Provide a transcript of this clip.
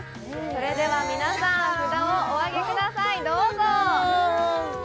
それでは皆さん札をお上げくださいどうぞ！